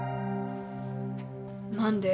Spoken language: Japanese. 何で？